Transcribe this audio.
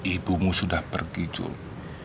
ibumu sudah pergi juli